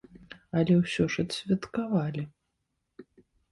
Але ўсё ж адсвяткавалі.